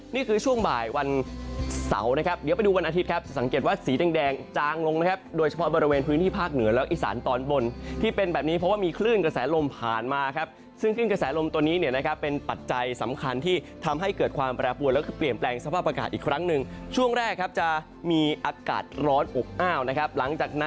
นี่คือช่วงบ่ายวันเสาร์วันอาทิตย์สังเกตว่าสีแดงจางลงด้วยเฉพาะบริเวณพื้งที่ภาคเหนือและอิสานตอนบนที่มีคลื่นเกษลลมผ่านมาซึ่งคลื่นเกษลลมตัวนี้เป็นปัจจัยสำคัญที่ด้วยทำให้เกิดความปรากฎและเปลี่ยนแปลงสภาพอากาศอีกครั้งหนึ่งช่วงแรกจะมีอากาศร้อนอุ๊บอ้า